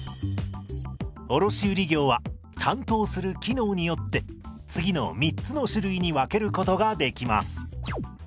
卸売業は担当する機能によって次の３つの種類に分けることができます。